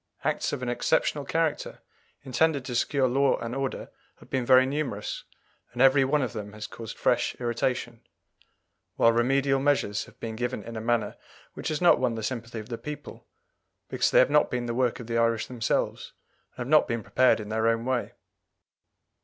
Acts of an exceptional character intended to secure law and order have been very numerous, and every one of them has caused fresh irritation; while remedial measures have been given in a manner which has not won the sympathy of the people, because they have not been the work of the Irish themselves, and have not been prepared in their own way.